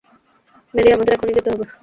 Mary, আমাদের এখনি যেতে হবে।